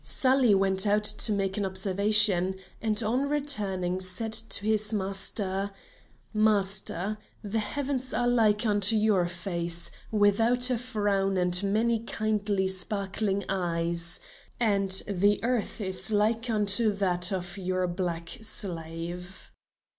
Sali went out to make an observation, and on returning said to his master: "Master, the heavens are like unto your face, without a frown and many kindly sparkling eyes, and the earth is like unto that of your black slave."